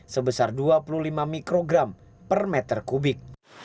sebesar dua puluh lima mikrogram per meter kubik